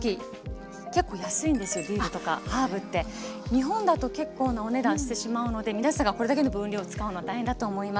日本だと結構なお値段してしまうので皆さんがこれだけの分量使うのは大変だと思います。